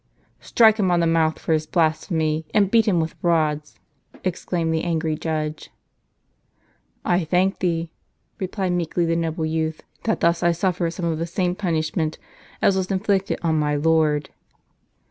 t " Strike him on the mouth for his blasphemy, and beat him with rods," exclaimed the angry judge. "I thank thee," replied meekly the noble youth, "that thus I suffer some of the same punishment as was inflicted on my Lord."